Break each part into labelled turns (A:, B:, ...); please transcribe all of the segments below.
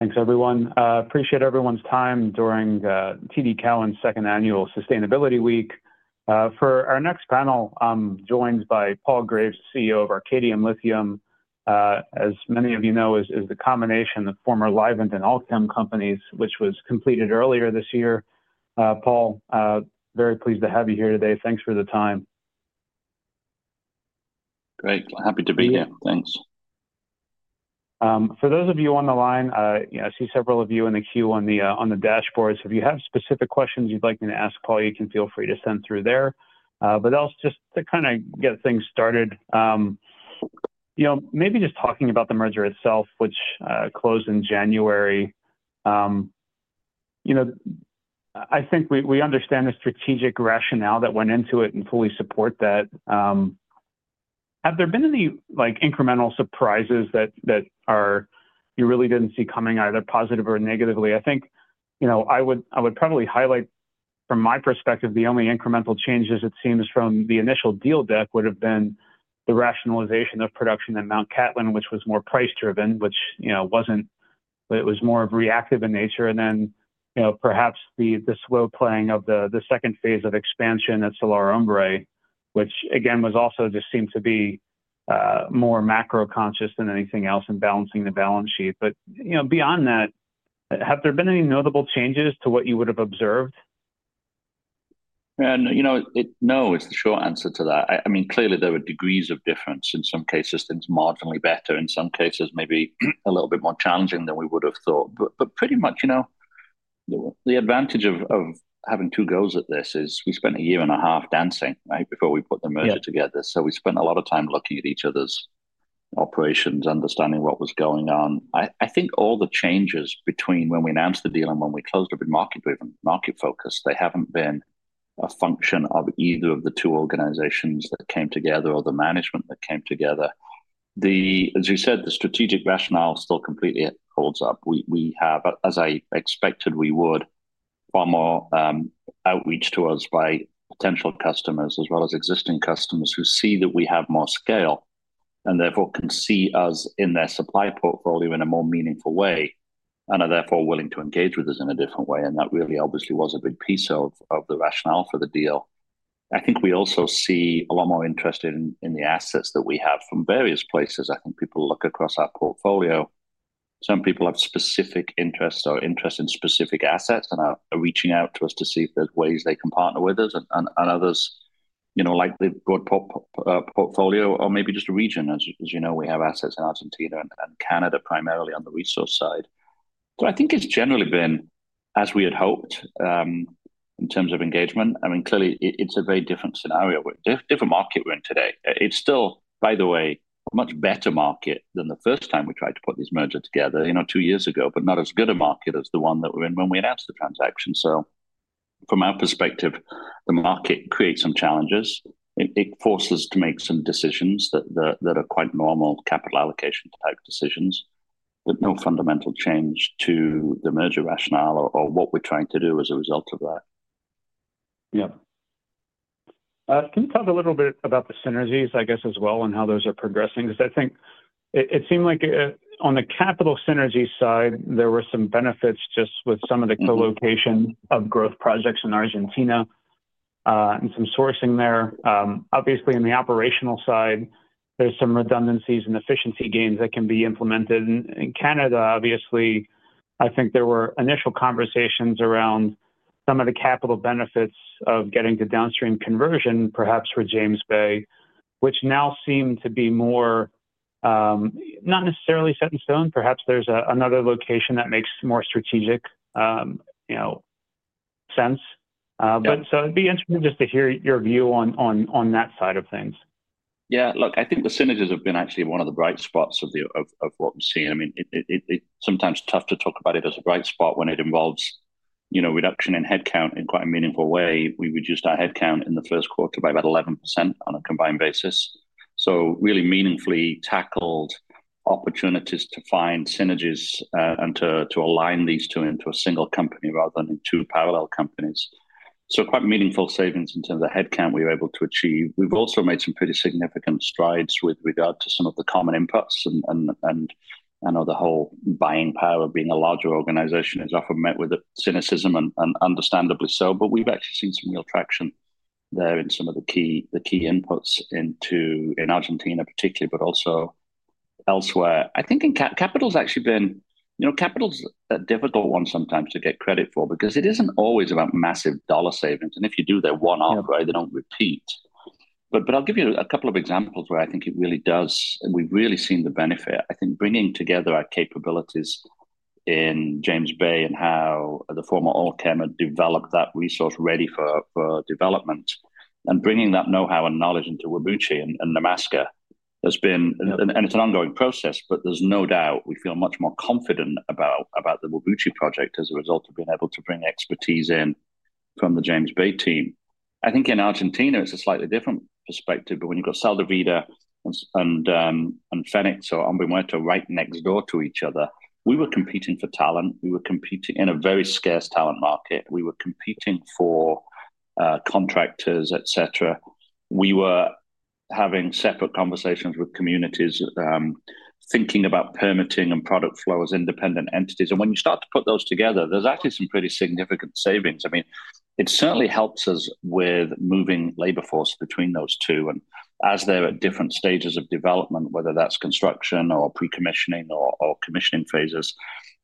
A: Thanks, everyone. Appreciate everyone's time during the TD Cowen Second Annual Sustainability Week. For our next panel, I'm joined by Paul Graves, CEO of Arcadium Lithium. As many of you know, is the combination of former Livent and Allkem companies, which was completed earlier this year. Paul, very pleased to have you here today. Thanks for the time.
B: Great. Happy to be here. Thanks.
A: For those of you on the line, yeah, I see several of you in the queue on the dashboard. So if you have specific questions you'd like me to ask Paul, you can feel free to send through there. But else just to kind of get things started, you know, maybe just talking about the merger itself, which closed in January. You know, I think we understand the strategic rationale that went into it and fully support that. Have there been any, like, incremental surprises that are—you really didn't see coming, either positive or negatively? I think, you know, I would, I would probably highlight, from my perspective, the only incremental changes it seems from the initial deal deck would have been the rationalization of production in Mt. Cattlin, which was more price-driven, which, you know, wasn't... It was more of reactive in nature. And then, you know, perhaps the slow playing of the second phase of expansion at Olaroz, which again was also just seemed to be more macro conscious than anything else and balancing the balance sheet. But, you know, beyond that, have there been any notable changes to what you would have observed?
B: You know, no, is the short answer to that. I mean, clearly, there were degrees of difference. In some cases, things marginally better, in some cases, maybe a little bit more challenging than we would have thought. But pretty much, you know, the advantage of having two goes at this is we spent a year and a half dancing, right? Before we put the merger together.
A: Yeah.
B: So we spent a lot of time looking at each other's operations, understanding what was going on. I, I think all the changes between when we announced the deal and when we closed have been market driven, market focused. They haven't been a function of either of the two organizations that came together or the management that came together. As you said, the strategic rationale still completely holds up. We, we have, as I expected we would, far more outreach to us by potential customers as well as existing customers who see that we have more scale, and therefore can see us in their supply portfolio in a more meaningful way, and are therefore willing to engage with us in a different way, and that really obviously was a big piece of the rationale for the deal. I think we also see a lot more interest in the assets that we have from various places. I think people look across our portfolio. Some people have specific interests or interest in specific assets and are reaching out to us to see if there's ways they can partner with us and others, you know, like the broad portfolio or maybe just a region. As you know, we have assets in Argentina and Canada, primarily on the resource side. So I think it's generally been as we had hoped, in terms of engagement. I mean, clearly, it's a very different scenario, different market we're in today. It's still, by the way, a much better market than the first time we tried to put this merger together, you know, two years ago, but not as good a market as the one that we're in when we announced the transaction. So from our perspective, the market creates some challenges. It forces us to make some decisions that are quite normal capital allocation type decisions, but no fundamental change to the merger rationale or what we're trying to do as a result of that.
A: Yeah. Can you talk a little bit about the synergies, I guess, as well, and how those are progressing? Because I think it seemed like, on the capital synergy side, there were some benefits just with some of the co-location-
B: Mm-hmm...
A: of growth projects in Argentina, and some sourcing there. Obviously, in the operational side, there's some redundancies and efficiency gains that can be implemented. In Canada, obviously, I think there were initial conversations around some of the capital benefits of getting to downstream conversion, perhaps for James Bay, which now seem to be more, not necessarily set in stone. Perhaps there's another location that makes more strategic, you know, sense. Uh-
B: Yeah.
A: So it'd be interesting just to hear your view on that side of things.
B: Yeah. Look, I think the synergies have been actually one of the bright spots of what we're seeing. I mean, it's sometimes tough to talk about it as a bright spot when it involves, you know, reduction in headcount in quite a meaningful way. We reduced our headcount in the first quarter by about 11% on a combined basis. So really meaningfully tackled opportunities to find synergies and to align these two into a single company rather than in two parallel companies. So quite meaningful savings in terms of headcount we were able to achieve. We've also made some pretty significant strides with regard to some of the common inputs and I know the whole buying power of being a larger organization is often met with a cynicism, and understandably so. But we've actually seen some real traction there in some of the key, the key inputs into, in Argentina, particularly, but also elsewhere. I think in capital's actually been... You know, capital's a difficult one sometimes to get credit for because it isn't always about massive dollar savings, and if you do, they're one-off-
A: Yeah...
B: they don't repeat. But, but I'll give you a couple of examples where I think it really does, and we've really seen the benefit. I think bringing together our capabilities in James Bay and how the former Allkem had developed that resource ready for, for development, and bringing that know-how and knowledge into Whabouchi and Nemaska has been, and, and it's an ongoing process, but there's no doubt we feel much more confident about, about the Whabouchi project as a result of being able to bring expertise in from the James Bay team. I think in Argentina, it's a slightly different perspective, but when you've got Sal de Vida and, and Fenix, so they're right next door to each other, we were competing for talent. We were competing in a very scarce talent market. We were competing for, contractors, et cetera. We were-... Having separate conversations with communities, thinking about permitting and product flow as independent entities. When you start to put those together, there's actually some pretty significant savings. I mean, it certainly helps us with moving labor force between those two. As they're at different stages of development, whether that's construction or pre-commissioning or commissioning phases,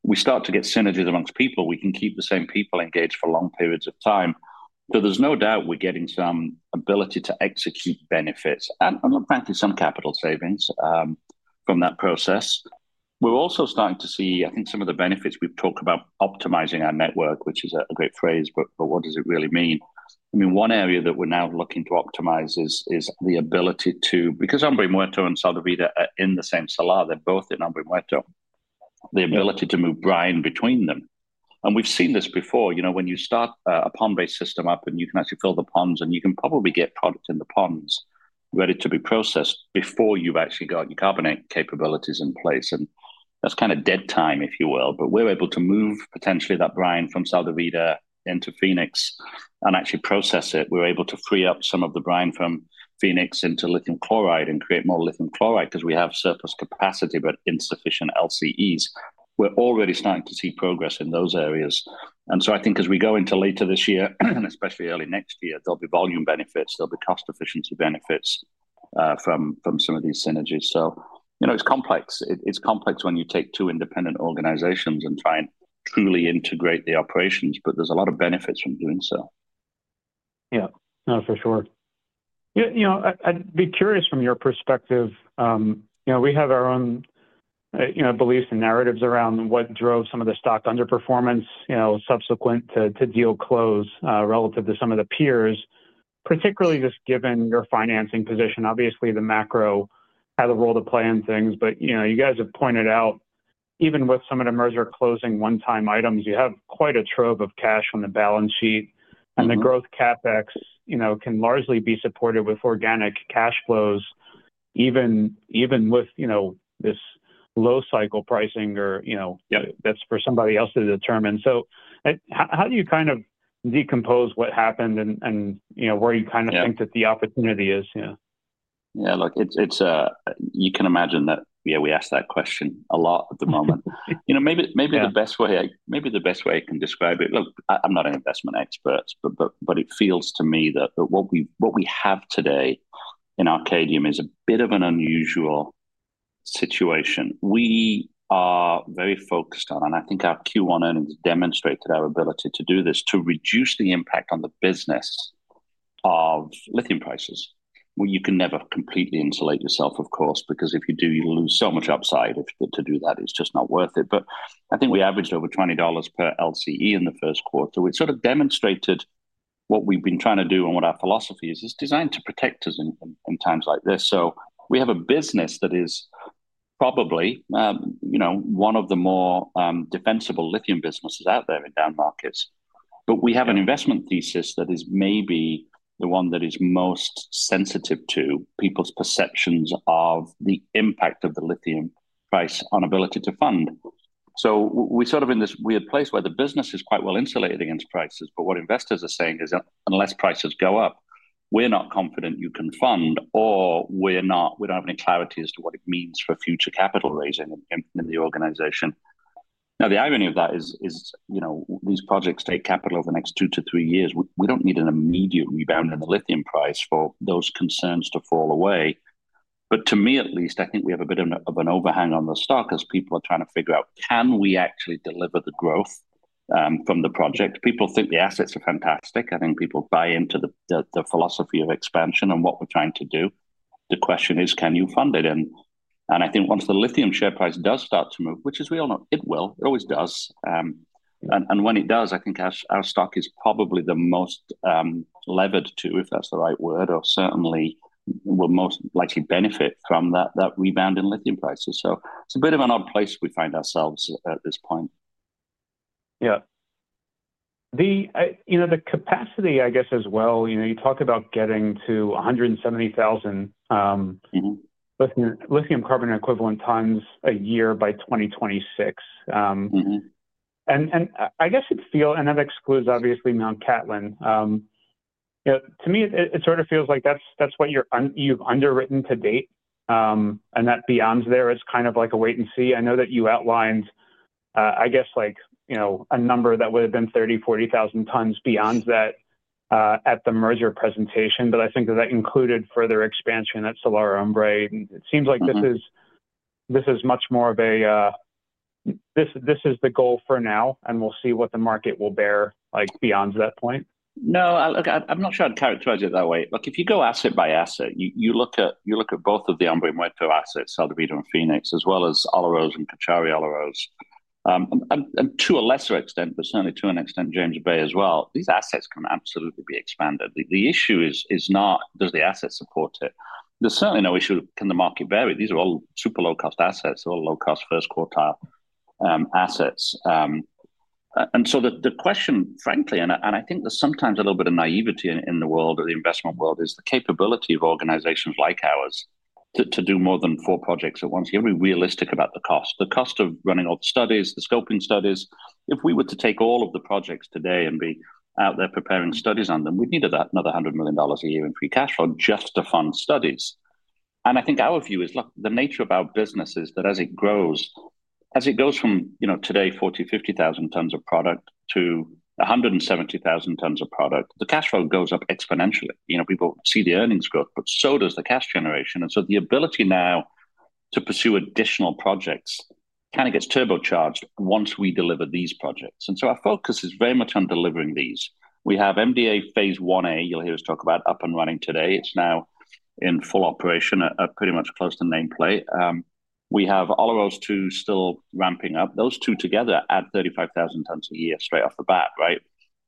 B: we start to get synergies amongst people. We can keep the same people engaged for long periods of time. There's no doubt we're getting some ability to execute benefits, and frankly, some capital savings from that process. We're also starting to see, I think, some of the benefits. We've talked about optimizing our network, which is a great phrase, but what does it really mean? I mean, one area that we're now looking to optimize is the ability to—because Hombre Muerto and Sal de Vida are in the same salar, they're both in Hombre Muerto, the ability to move brine between them. And we've seen this before. You know, when you start a pond-based system up, and you can actually fill the ponds, and you can probably get product in the ponds ready to be processed before you've actually got your carbonate capabilities in place, and that's kind of dead time, if you will. But we're able to move potentially that brine from Sal de Vida into Fenix and actually process it. We're able to free up some of the brine from Fenix into lithium chloride and create more lithium chloride 'cause we have surplus capacity, but insufficient LCEs. We're already starting to see progress in those areas. I think as we go into later this year, especially early next year, there'll be volume benefits, there'll be cost efficiency benefits from some of these synergies. So, you know, it's complex. It's complex when you take two independent organizations and try and truly integrate the operations, but there's a lot of benefits from doing so.
A: Yeah. No, for sure. Yeah, you know, I, I'd be curious from your perspective, you know, we have our own, you know, beliefs and narratives around what drove some of the stock underperformance, you know, subsequent to deal close, relative to some of the peers, particularly just given your financing position. Obviously, the macro had a role to play in things, but, you know, you guys have pointed out, even with some of the merger closing one-time items, you have quite a trove of cash on the balance sheet.
B: Mm-hmm.
A: And the growth CapEx, you know, can largely be supported with organic cash flows, even, even with, you know, this low cycle pricing or, you know-
B: Yeah...
A: that's for somebody else to determine. So, how do you kind of decompose what happened and, you know, where you kind of-
B: Yeah...
A: think that the opportunity is? Yeah.
B: Yeah, look, it's. You can imagine that, yeah, we ask that question a lot at the moment. You know, maybe, maybe the-
A: Yeah...
B: best way, maybe the best way I can describe it. Look, I, I'm not an investment expert, but it feels to me that what we have today in Arcadium is a bit of an unusual situation. We are very focused on, and I think our Q1 earnings demonstrated our ability to do this, to reduce the impact on the business of lithium prices. Well, you can never completely insulate yourself, of course, because if you do, you lose so much upside. To do that, it's just not worth it. But I think we averaged over $20 per LCE in the first quarter. We've sort of demonstrated what we've been trying to do and what our philosophy is. It's designed to protect us in times like this. So we have a business that is probably, you know, one of the more defensible lithium businesses out there in down markets. But we have an investment thesis that is maybe the one that is most sensitive to people's perceptions of the impact of the lithium price on ability to fund. So we're sort of in this weird place where the business is quite well insulated against prices, but what investors are saying is, "Unless prices go up, we're not confident you can fund," or "We don't have any clarity as to what it means for future capital raising in the organization." Now, the irony of that is, you know, these projects take capital over the next two to three years. We don't need an immediate rebound in the lithium price for those concerns to fall away. But to me, at least, I think we have a bit of an overhang on the stock as people are trying to figure out, can we actually deliver the growth from the project? People think the assets are fantastic. I think people buy into the philosophy of expansion and what we're trying to do. The question is: Can you fund it? And I think once the lithium share price does start to move, which as we all know, it will, it always does, and when it does, I think our stock is probably the most levered to, if that's the right word, or certainly will most likely benefit from that rebound in lithium prices. So it's a bit of an odd place we find ourselves at this point.
A: Yeah. The, you know, the capacity, I guess, as well, you know, you talk about getting to 170,000,
B: Mm-hmm...
A: lithium, lithium carbonate equivalent tons a year by 2026,
B: Mm-hmm...
A: and I guess it feels and that excludes, obviously, Mt Cattlin. Yeah, to me, it sort of feels like that's what you've underwritten to date, and that beyond there is kind of like a wait and see. I know that you outlined, I guess like, you know, a number that would have been 30,000-40,000 tons beyond that, at the merger presentation, but I think that included further expansion at Salar del Hombre Muerto.
B: Mm-hmm.
A: It seems like this is, this is much more of a, this, this is the goal for now, and we'll see what the market will bear, like, beyond that point.
B: No, look, I'm not sure I'd characterize it that way. Look, if you go asset by asset, you look at both of the Hombre Muerto assets, Sal de Vida and Fenix, as well as Olaroz and Cauchari-Olaroz, and to a lesser extent, but certainly to an extent, James Bay as well, these assets can absolutely be expanded. The issue is not, does the asset support it? There's certainly no issue, can the market bear it? These are all super low-cost assets or low-cost first quartile assets. And so the question, frankly, and I think there's sometimes a little bit of naivety in the world or the investment world, is the capability of organizations like ours to do more than four projects at once. You have to be realistic about the cost. The cost of running all the studies, the scoping studies. If we were to take all of the projects today and be out there preparing studies on them, we'd need about another $100 million a year in free cash flow just to fund studies. And I think our view is, look, the nature of our business is that as it grows, as it goes from, you know, today, 40,000-50,000 tons of product to 170,000 tons of product, the cash flow goes up exponentially. You know, people see the earnings growth, but so does the cash generation. And so the ability now to pursue additional projects kind of gets turbocharged once we deliver these projects. And so our focus is very much on delivering these. We have MDA Phase 1A, you'll hear us talk about up and running today. It's now in full operation at pretty much close to nameplate. We have Olaroz Two still ramping up. Those two together add 35,000 tons a year straight off the bat, right?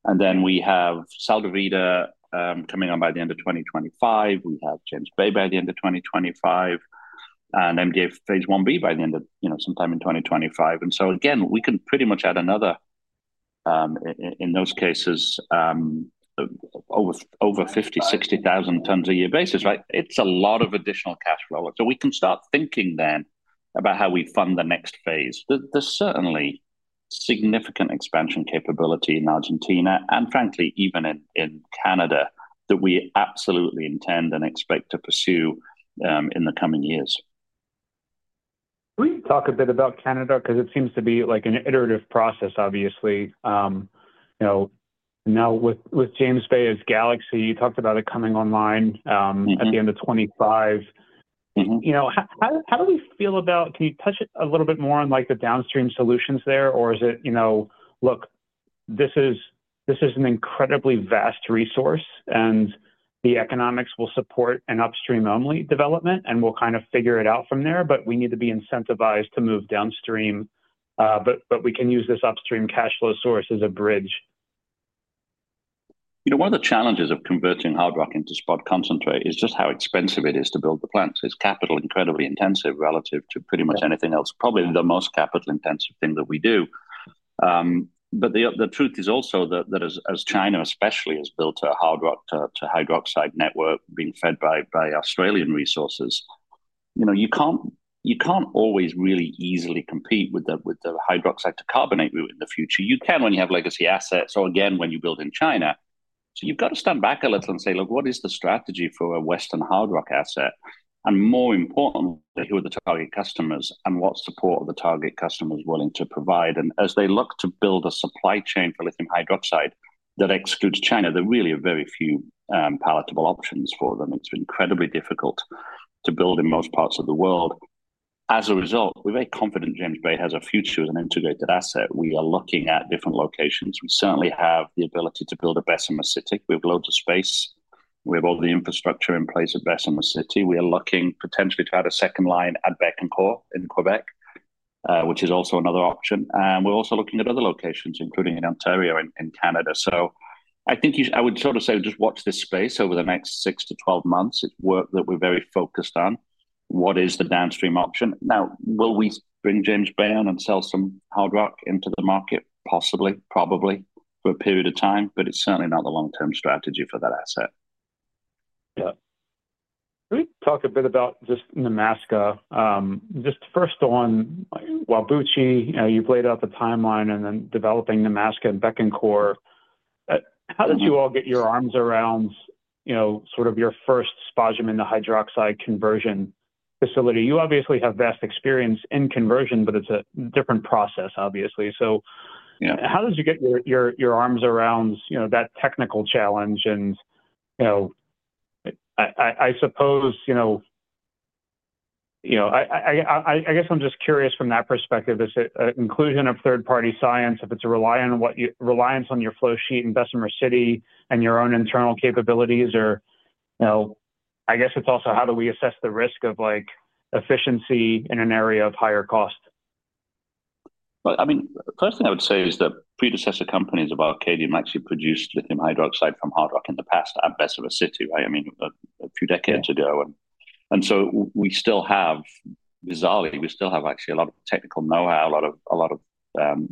B: And then we have Sal de Vida coming on by the end of 2025. We have James Bay by the end of 2025, and MDA Phase 1B by the end of, you know, sometime in 2025. And so again, we can pretty much add another, in those cases, over 50,000-60,000 tons a year basis, right? It's a lot of additional cash flow. So we can start thinking then about how we fund the next phase. There's certainly significant expansion capability in Argentina and frankly, even in Canada, that we absolutely intend and expect to pursue in the coming years.
A: Can we talk a bit about Canada? Because it seems to be like an iterative process, obviously. You know, now with, with James Bay as Galaxy, you talked about it coming online,
B: Mm-hmm...
A: at the end of 2025.
B: Mm-hmm.
A: You know, how do we feel about... can you touch it a little bit more on, like, the downstream solutions there? Or is it, you know, look, this is, this is an incredibly vast resource, and the economics will support an upstream-only development, and we'll kind of figure it out from there, but we need to be incentivized to move downstream, but we can use this upstream cash flow source as a bridge.
B: You know, one of the challenges of converting hard rock into spod concentrate is just how expensive it is to build the plants. It's capital incredibly intensive relative to pretty much anything else, probably the most capital-intensive thing that we do. But the truth is also that as China especially has built a hard rock to hydroxide network being fed by Australian resources, you know, you can't always really easily compete with the hydroxide to carbonate route in the future. You can when you have legacy assets or again, when you build in China. So you've got to stand back a little and say, "Look, what is the strategy for a Western hard rock asset? And more importantly, who are the target customers and what support are the target customers willing to provide?" As they look to build a supply chain for lithium hydroxide that excludes China, there really are very few, palatable options for them. It's incredibly difficult to build in most parts of the world. As a result, we're very confident James Bay has a future as an integrated asset. We are looking at different locations. We certainly have the ability to build at Bessemer City. We have loads of space. We have all the infrastructure in place at Bessemer City. We are looking potentially to add a second line at Bécancour in Québec, which is also another option. We're also looking at other locations, including in Ontario, in Canada. So I think I would sort of say just watch this space over the next six to 12 months. It's work that we're very focused on. What is the downstream option? Now, will we bring James Bay on and sell some hard rock into the market? Possibly, probably, for a period of time, but it's certainly not the long-term strategy for that asset.
A: Yeah. Can we talk a bit about just Nemaska? Just first on Whabouchi, you know, you've laid out the timeline and then developing Nemaska and Bécancour. How did you all get your arms around, you know, sort of your first spodumene, the hydroxide conversion facility? You obviously have vast experience in conversion, but it's a different process, obviously. So-
B: Yeah...
A: how did you get your arms around, you know, that technical challenge? And, you know, I suppose, you know, I guess I'm just curious from that perspective, is it an inclusion of third-party science, reliance on your flow sheet in Bessemer City and your own internal capabilities? Or, you know, I guess it's also how do we assess the risk of, like, efficiency in an area of higher cost?
B: Well, I mean, the first thing I would say is that predecessor companies of Arcadium actually produced lithium hydroxide from hard rock in the past at Bessemer City, I mean, a few decades ago. And so we still have... Bizarrely, we still have actually a lot of technical know-how, a lot of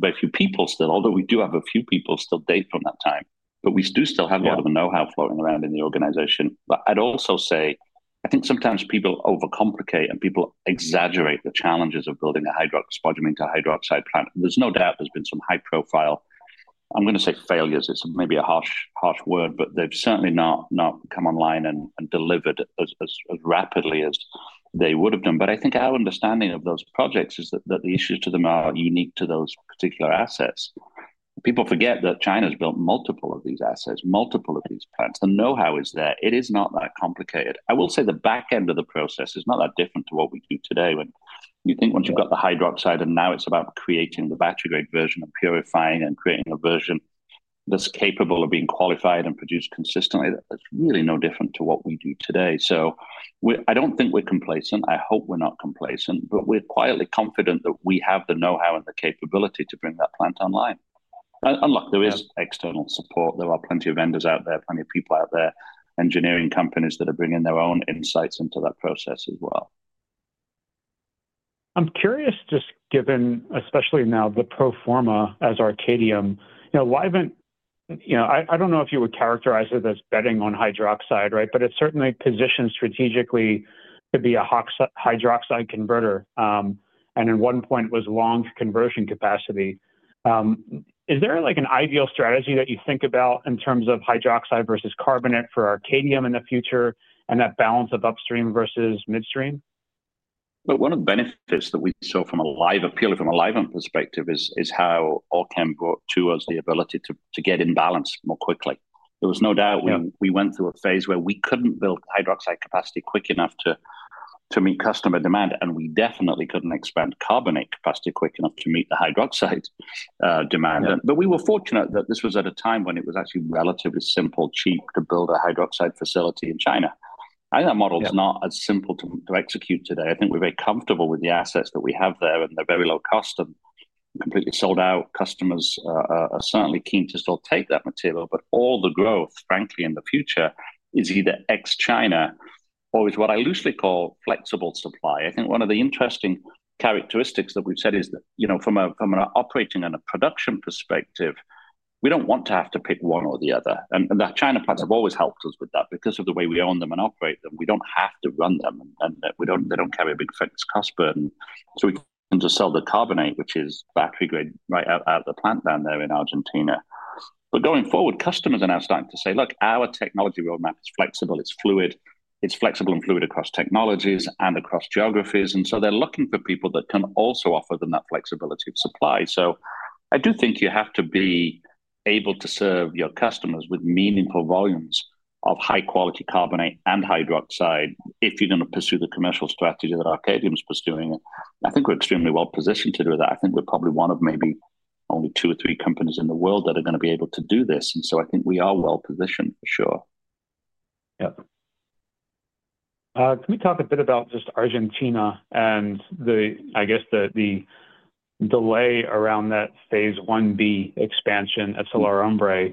B: very few people still- although we do have a few people still date from that time, but we do still have-
A: Yeah...
B: a lot of the know-how floating around in the organization. But I'd also say, I think sometimes people overcomplicate and people exaggerate the challenges of building a spodumene to hydroxide plant. There's no doubt there's been some high profile, I'm going to say failures, it's maybe a harsh, harsh word, but they've certainly not come online and delivered as rapidly as they would have done. But I think our understanding of those projects is that the issues to them are unique to those particular assets. People forget that China's built multiple of these assets, multiple of these plants. The know-how is there. It is not that complicated. I will say the back end of the process is not that different to what we do today. When you think once you've got the hydroxide, and now it's about creating the battery-grade version and purifying and creating a version that's capable of being qualified and produced consistently, that's really no different to what we do today. So we- I don't think we're complacent, I hope we're not complacent, but we're quietly confident that we have the know-how and the capability to bring that plant online. And look-
A: Yeah...
B: there is external support. There are plenty of vendors out there, plenty of people out there, engineering companies that are bringing their own insights into that process as well....
A: I'm curious, just given, especially now, the pro forma as Arcadium, now Livent, you know, I don't know if you would characterize it as betting on hydroxide, right? But it's certainly positioned strategically to be a hydroxide converter, and at one point was long conversion capacity. Is there, like, an ideal strategy that you think about in terms of hydroxide vs carbonate for Arcadium in the future and that balance of upstream vs midstream?
B: Well, one of the benefits that we saw from Livent, purely from a Livent perspective is, is how Allkem brought to us the ability to, to get in balance more quickly. There was no doubt-
A: Yeah
B: We went through a phase where we couldn't build hydroxide capacity quick enough to meet customer demand, and we definitely couldn't expand carbonate capacity quick enough to meet the hydroxide demand.
A: Yeah.
B: But we were fortunate that this was at a time when it was actually relatively simple, cheap to build a hydroxide facility in China.
A: Yeah.
B: I think that model is not as simple to execute today. I think we're very comfortable with the assets that we have there, and they're very low cost and completely sold out. Customers are certainly keen to still take that material, but all the growth, frankly, in the future is either ex-China or is what I loosely call flexible supply. I think one of the interesting characteristics that we've said is that, you know, from an operating and a production perspective, we don't want to have to pick one or the other. And that China plants have always helped us with that. Because of the way we own them and operate them, we don't have to run them, and we don't. They don't carry a big fixed cost burden. So we can just sell the carbonate, which is battery grade, right out of the plant down there in Argentina. But going forward, customers are now starting to say, "Look, our technology roadmap is flexible, it's fluid. It's flexible and fluid across technologies and across geographies." And so they're looking for people that can also offer them that flexibility of supply. So I do think you have to be able to serve your customers with meaningful volumes of high quality carbonate and hydroxide if you're going to pursue the commercial strategy that Arcadium's pursuing. I think we're extremely well positioned to do that. I think we're probably one of maybe only two or three companies in the world that are going to be able to do this, and so I think we are well positioned, for sure. Yep.
A: Can we talk a bit about just Argentina and the—I guess, the delay around that Phase IB expansion at Salar Hombre?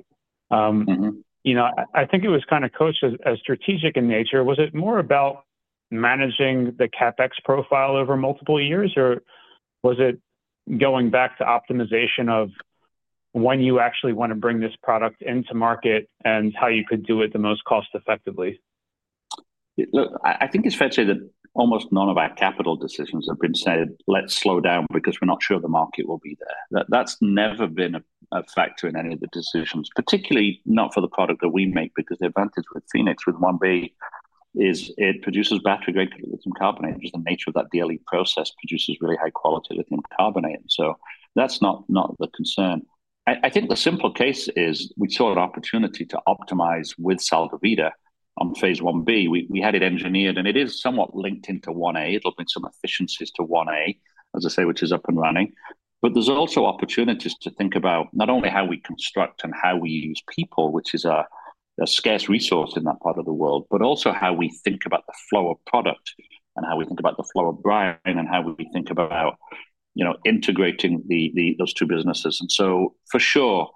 B: Mm-hmm.
A: You know, I think it was kind of coached as strategic in nature. Was it more about managing the CapEx profile over multiple years, or was it going back to optimization of when you actually want to bring this product into market and how you could do it the most cost effectively?
B: Look, I think it's fair to say that almost none of our capital decisions have been said, "Let's slow down because we're not sure the market will be there." That's never been a factor in any of the decisions, particularly not for the product that we make, because the advantage with Fenix, with 1B, is it produces battery-grade lithium carbonate. Just the nature of that daily process produces really high-quality lithium carbonate, so that's not the concern. I think the simple case is we saw an opportunity to optimize with Sal de Vida on Phase 1B. We had it engineered, and it is somewhat linked into 1a. It'll bring some efficiencies to 1a, as I say, which is up and running. But there's also opportunities to think about not only how we construct and how we use people, which is a scarce resource in that part of the world, but also how we think about the flow of product and how we think about the flow of brine and how we think about, you know, integrating those two businesses. And so, for sure,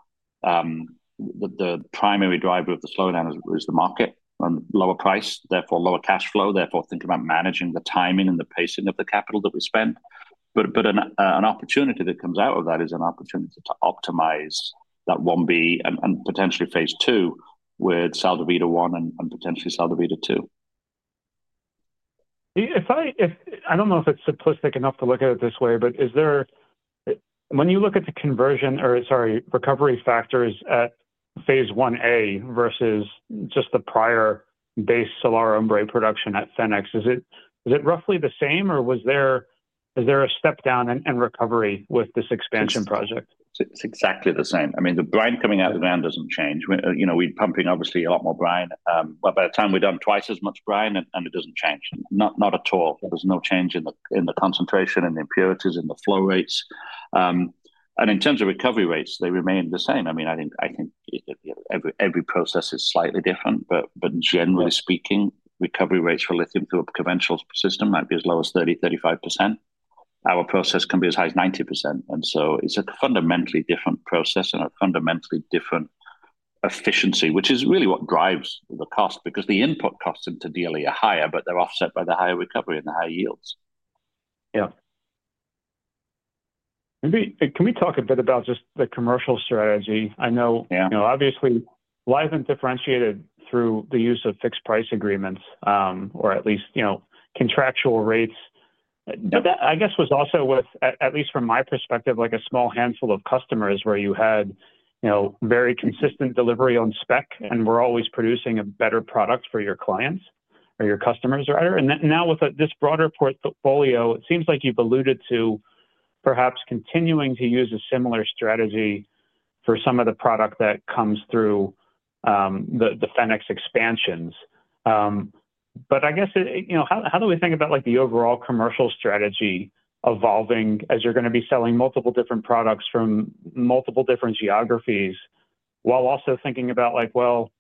B: the primary driver of the slowdown is the market on lower price, therefore lower cash flow, therefore, think about managing the timing and the pacing of the capital that we spent. But an opportunity that comes out of that is an opportunity to optimize that 1B and potentially Phase 2 with Sal de Vida 1 and potentially Sal de Vida 2.
A: I don't know if it's simplistic enough to look at it this way, but when you look at the conversion, or sorry, recovery factors at Phase 1A vs just the prior base Salar del Hombre Muerto production at Fenix, is it roughly the same or is there a step down in recovery with this expansion project?
B: It's exactly the same. I mean, the brine coming out of the ground doesn't change. We're, you know, pumping obviously a lot more brine, but by the time we're done twice as much brine and, and it doesn't change. Not at all. There's no change in the concentration and the impurities and the flow rates. And in terms of recovery rates, they remain the same. I mean, I think every process is slightly different, but generally speaking-
A: Yeah...
B: recovery rates for lithium through a conventional system might be as low as 30-35%. Our process can be as high as 90%, and so it's a fundamentally different process and a fundamentally different efficiency, which is really what drives the cost, because the input costs into DLE are higher, but they're offset by the higher recovery and the higher yields.
A: Yeah. Can we talk a bit about just the commercial strategy? I know-
B: Yeah...
A: you know, obviously, Livent differentiated through the use of fixed price agreements, or at least, you know, contractual rates.
B: Yeah.
A: But that, I guess, was also with at least, from my perspective, like a small handful of customers where you had, you know, very consistent delivery on spec-
B: Yeah
A: and were always producing a better product for your clients or your customers, rather. And then now with this broader portfolio, it seems like you've alluded to perhaps continuing to use a similar strategy for some of the product that comes through the Fenix expansions. But I guess, you know, how do we think about, like, the overall commercial strategy evolving as you're going to be selling multiple different products from multiple different geographies, while also thinking about, like, well,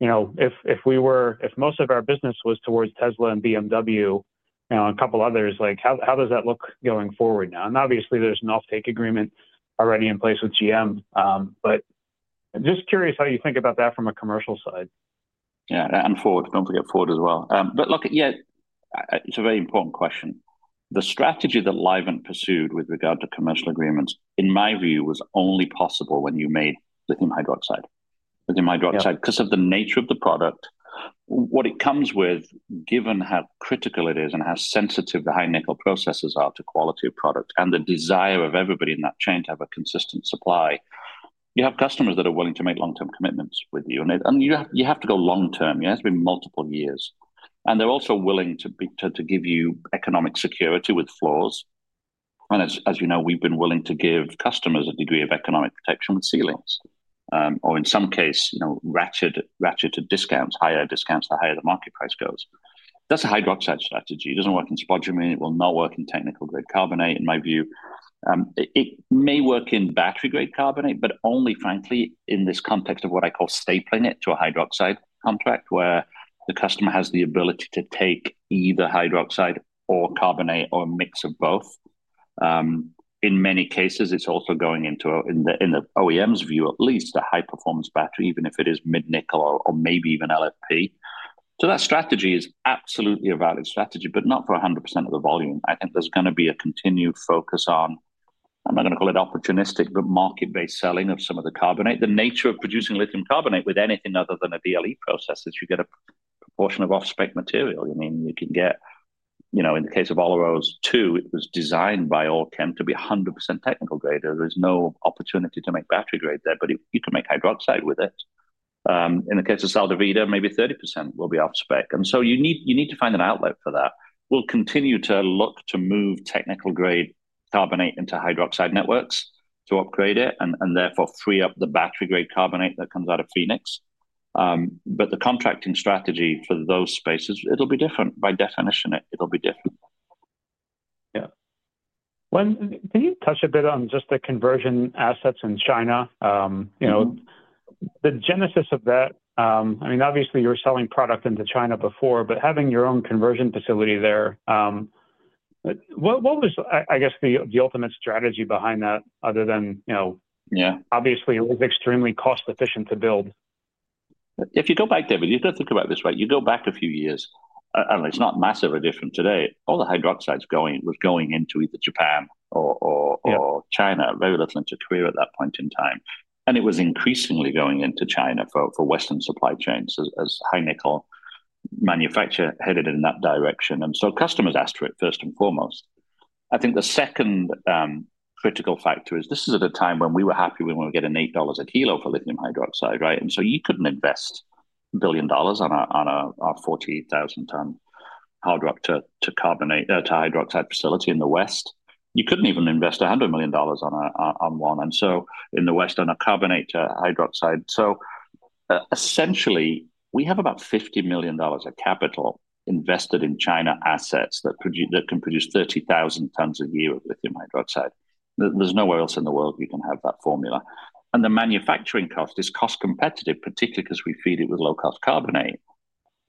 A: you know, if most of our business was towards Tesla and BMW and a couple others, like, how does that look going forward now? And obviously, there's an offtake agreement already in place with GM, but just curious how you think about that from a commercial side....
B: Yeah, and Ford, don't forget Ford as well. But look, yeah, it's a very important question. The strategy that Livent pursued with regard to commercial agreements, in my view, was only possible when you made lithium hydroxide. Lithium hydroxide-
A: Yeah.
B: Because of the nature of the product, what it comes with, given how critical it is and how sensitive the high nickel processes are to quality of product, and the desire of everybody in that chain to have a consistent supply, you have customers that are willing to make long-term commitments with you. And it and you have to go long-term. It has been multiple years. And they're also willing to give you economic security with floors. And as you know, we've been willing to give customers a degree of economic protection with ceilings, or in some case, you know, ratcheted discounts, higher discounts, the higher the market price goes. That's a hydroxide strategy. It doesn't work in spodumene. It will not work in technical-grade carbonate, in my view. It may work in battery-grade carbonate, but only frankly, in this context of what I call stapling it to a hydroxide contract, where the customer has the ability to take either hydroxide or carbonate or a mix of both. In many cases, it's also going into, in the OEM's view, at least a high-performance battery, even if it is mid-nickel or maybe even LFP. So that strategy is absolutely a valid strategy, but not for 100% of the volume. I think there's gonna be a continued focus on, I'm not gonna call it opportunistic, but market-based selling of some of the carbonate. The nature of producing lithium carbonate with anything other than a DLE process is you get a proportion of off-spec material. You mean, you can get, you know, in the case of Olaroz 2, it was designed by Allkem to be 100% technical grade. There's no opportunity to make battery-grade there, but you can make hydroxide with it. In the case of Sal de Vida, maybe 30% will be off-spec, and so you need to find an outlet for that. We'll continue to look to move technical-grade carbonate into hydroxide networks to upgrade it, and therefore, free up the battery-grade carbonate that comes out of Fenix. But the contracting strategy for those spaces, it'll be different. By definition, it'll be different. Yeah.
A: Can you touch a bit on just the conversion assets in China? You know-
B: Mm-hmm.
A: -the genesis of that, I mean, obviously, you were selling product into China before, but having your own conversion facility there, what was the, I guess, the ultimate strategy behind that, other than, you know-
B: Yeah.
A: Obviously, it was extremely cost efficient to build.
B: If you go back, David, you got to think about it this way. You go back a few years, and it's not massively different today. All the hydroxides going, was going into either Japan or, or, or-
A: Yeah
B: China, very little into Korea at that point in time, and it was increasingly going into China for Western supply chains as high nickel manufacture headed in that direction. And so customers asked for it first and foremost. I think the second critical factor is this is at a time when we were happy when we get $8 a kilo for lithium hydroxide, right? And so you couldn't invest $1 billion on a 48,000-ton hard rock to carbonate to hydroxide facility in the West. You couldn't even invest $100 million on one, and so in the West, on a carbonate hydroxide. So, essentially, we have about $50 million of capital invested in China assets that produce that can produce 30,000 tons a year of lithium hydroxide. There, there's nowhere else in the world you can have that formula, and the manufacturing cost is cost competitive, particularly because we feed it with low-cost carbonate.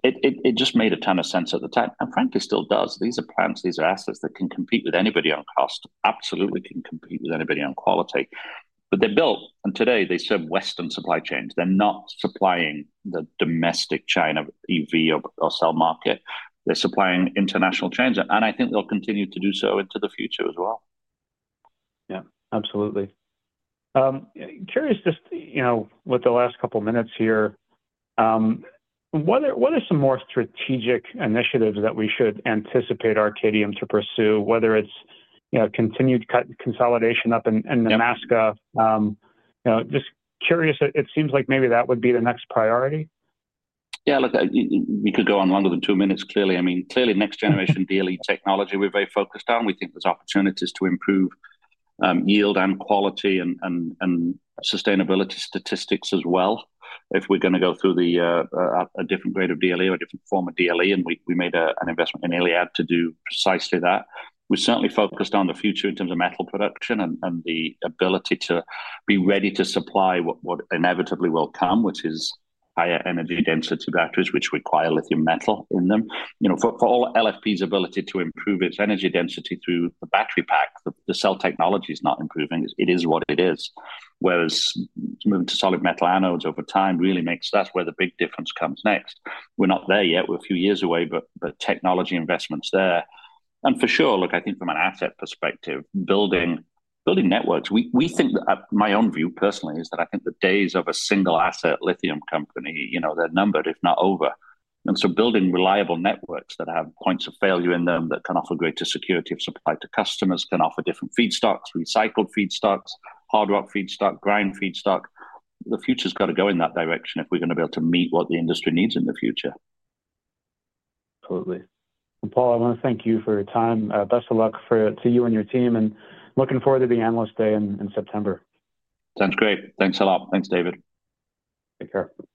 B: It just made a ton of sense at the time, and frankly, still does. These are plants, these are assets that can compete with anybody on cost. Absolutely can compete with anybody on quality. But they're built, and today they serve Western supply chains. They're not supplying the domestic China EV or cell market. They're supplying international chains, and I think they'll continue to do so into the future as well.
A: Yeah, absolutely. Curious, just, you know, with the last couple of minutes here, what are, what are some more strategic initiatives that we should anticipate Arcadium to pursue, whether it's, you know, continued co-consolidation up in, in-
B: Yeah...
A: Nemaska? You know, just curious, it seems like maybe that would be the next priority.
B: Yeah, look, you could go on longer than two minutes, clearly. I mean, clearly, next generation DLE technology, we're very focused on. We think there's opportunities to improve, yield and quality and sustainability statistics as well. If we're gonna go through a different grade of DLE or a different form of DLE, and we made an investment in ILiAD to do precisely that. We certainly focused on the future in terms of metal production and the ability to be ready to supply what inevitably will come, which is higher energy density batteries, which require lithium metal in them. You know, for all LFP's ability to improve its energy density through the battery pack, the cell technology is not improving. It is what it is. Whereas moving to solid metal anodes over time really makes. That's where the big difference comes next. We're not there yet. We're a few years away, but, but technology investment's there. And for sure, look, I think from an asset perspective, building, building networks, we, we think that. My own view, personally, is that I think the days of a single asset lithium company, you know, they're numbered, if not over. And so building reliable networks that have points of failure in them, that can offer greater security of supply to customers, can offer different feedstocks, recycled feedstocks, hard rock feedstock, brine feedstock, the future's got to go in that direction if we're gonna be able to meet what the industry needs in the future.
A: Absolutely. And Paul, I wanna thank you for your time. Best of luck to you and your team, and looking forward to the analyst day in September.
B: Sounds great. Thanks a lot. Thanks, David.
A: Take care.